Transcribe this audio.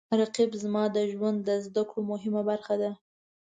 رقیب زما د ژوند د زده کړو مهمه برخه ده